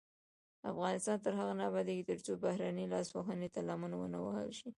افغانستان تر هغو نه ابادیږي، ترڅو بهرنۍ لاسوهنې ته لمن ونه وهل شي.